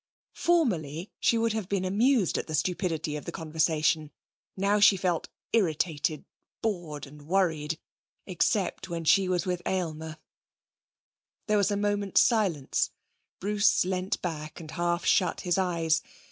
Formerly she would have been amused at the stupidity of the conversation. Now she felt irritated, bored and worried, except when she was with Aylmer. There was a moment's silence. Bruce leant back and half shut his eyes.